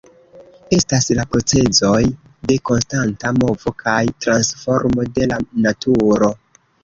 Estas la procezoj de konstanta movo kaj transformo de la naturo.